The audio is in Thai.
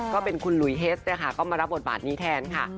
ก็เป็นคุณหลุยเฮสก็มารับบทบาทนี้แทนค่ะ